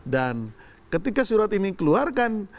dan ketika surat ini keluarkan